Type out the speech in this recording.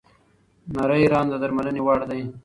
نري رنځ د درملنې وړ دی.